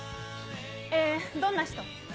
えー、どんな人？